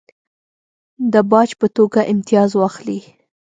د باج په توګه امتیاز واخلي.